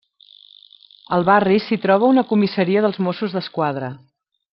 Al barri s'hi troba una comissaria dels Mossos d'Esquadra.